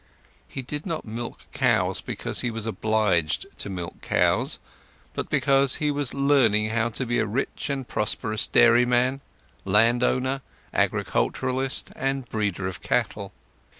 He did not milk cows because he was obliged to milk cows, but because he was learning to be a rich and prosperous dairyman, landowner, agriculturist, and breeder of cattle.